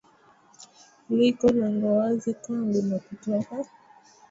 Liko lango wazi kwangu la kutoka.